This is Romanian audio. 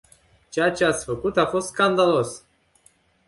Ceea ce ați făcut a fost scandalos!